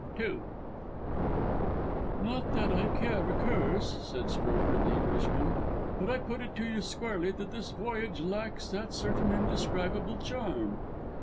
II "Not that I care a curse," said Strokher, the Englishman. "But I put it to you squarely that this voyage lacks that certain indescribable charm."